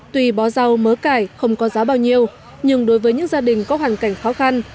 tuy bó rau mớ cải không có giá bao nhiêu nhưng đối với những gia đình có hoàn cảnh khó khăn